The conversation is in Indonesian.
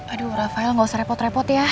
aduh rafael gak usah repot repot ya